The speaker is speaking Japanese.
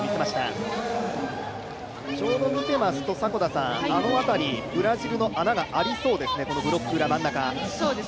ちょうど見ていますと、あの辺りブラジルの穴がありそうですね、ブロック裏、真ん中。